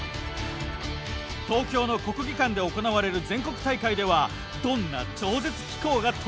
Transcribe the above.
東京の国技館で行われる全国大会ではどんな超絶機巧が飛び出すのか？